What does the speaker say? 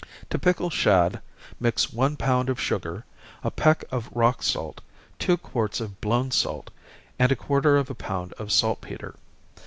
To pickle shad, mix one pound of sugar, a peck of rock salt, two quarts of blown salt, and a quarter of a pound of salt petre.